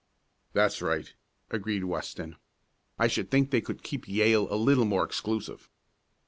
"That's right," agreed Weston. "I should think they could keep Yale a little more exclusive."